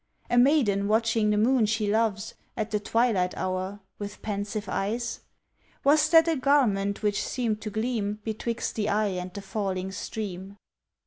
A maiden watching the moon she loves, At the twilight hour, with pensive eyes? Was that a garment which seemed to gleam Betwixt the eye and the falling stream?